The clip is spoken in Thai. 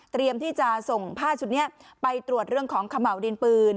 ที่จะส่งผ้าชุดนี้ไปตรวจเรื่องของเขม่าวดินปืน